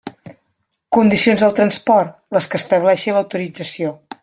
Condicions del transport: les que estableixi l'autorització.